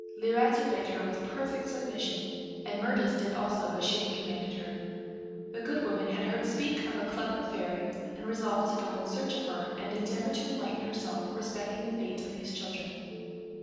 Lirette obeyed her with perfect submission, and Mirtis did also as she had commanded her. The Good Woman had heard speak of a clever fairy, and resolved to go in search of her, and endeavour to enlighten herself respecting the fate of these children.